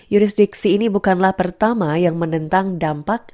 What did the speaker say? juridiksi ini bukanlah pertama yang menentang dampak